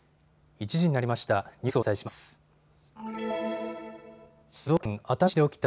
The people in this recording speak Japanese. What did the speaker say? １時になりました。